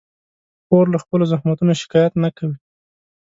خور له خپلو زحمتونو شکایت نه کوي.